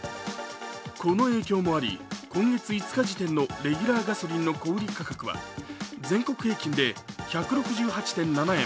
この影響もあり、今月５日時点のレギュラーガソリンの小売価格は全国平均で１６８．７円。